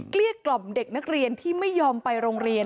เกลี้กล่อมเด็กนักเรียนที่ไม่ยอมไปโรงเรียน